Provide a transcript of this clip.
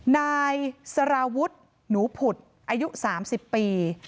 นายสารวุฒิหนูผุดอายุ๓๐ปี